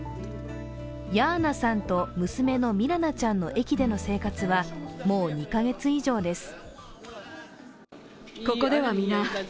ヤーナさんと娘のミラナちゃんの駅での生活はもう２カ月以上です。